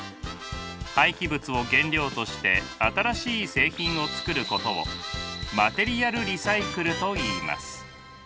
廃棄物を原料として新しい製品を作ることをマテリアルリサイクルといいます。